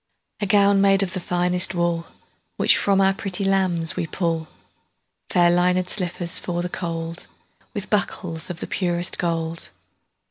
A gown made of the finest woolWhich from our pretty lambs we pull, Fair linèd slippers for the cold, With buckles of the purest gold.